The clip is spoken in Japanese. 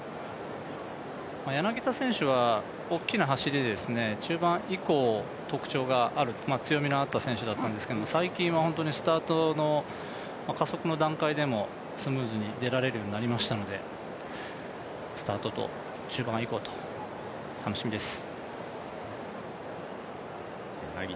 柳田選手は大きな走り、中盤以降、強みのあった選手なんですけど最近はスタートの加速の段階でも、スムーズに出られるようになりましたのでスタートと中盤以降と楽しみです。